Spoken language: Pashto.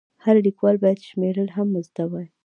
هر لیکوال باید شمېرل هم زده وای.